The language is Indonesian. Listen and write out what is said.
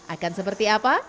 akan seperti apa